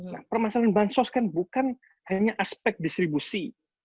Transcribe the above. nah permasalahan bansos kan bukan hanya aspek distribusi